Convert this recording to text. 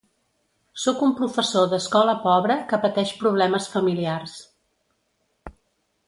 Sóc un professor d'escola pobre que pateix problemes familiars.